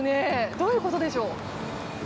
どういうことでしょう。